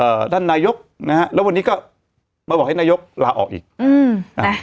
ท่านนายกนะฮะแล้ววันนี้ก็มาบอกให้นายกลาออกอีกอืมอ่า